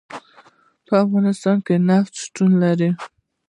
په افغانستان کې نفت شتون لري.